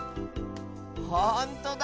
ほんとだ。